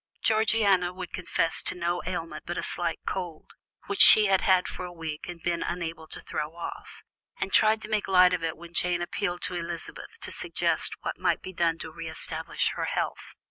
Georgiana would confess to no ailment but a slight cold, which she had had for a week and been unable to throw off, and tried to make light of it when Jane appealed to Elizabeth to suggest what might be done to re establish her health.